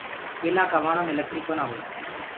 ڪيلآ ڪآ وڻو مي لڪڙي ڪونآ هوئي۔